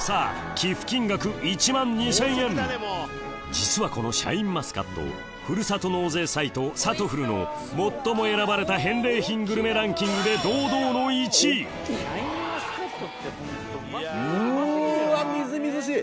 実はこのシャインマスカットふるさと納税サイト「さとふる」の最も選ばれた返礼品グルメランキングで堂々の１位うわみずみずしい。